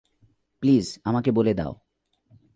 Please আমাকে বলে দাও।